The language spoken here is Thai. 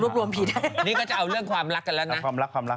รวมผิดนี่ก็จะเอาเรื่องความรักกันแล้วนะความรักความรัก